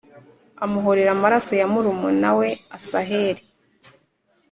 amuhōreye amaraso ya murumuna we Asaheli.